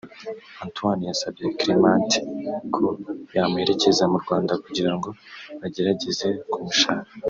Antoine yasabye Clement ko yamuherekeza mu Rwanda kugirango bagerageze kumushaka